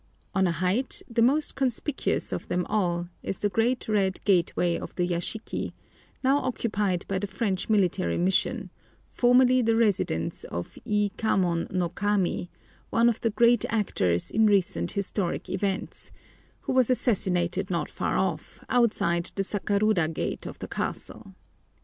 On a height, the most conspicuous of them all, is the great red gateway of the yashiki, now occupied by the French Military Mission, formerly the residence of Ii Kamon no Kami, one of the great actors in recent historic events, who was assassinated not far off, outside the Sakaruda gate of the castle.